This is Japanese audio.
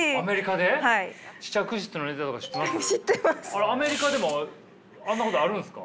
あれアメリカでもあんなことあるんですか？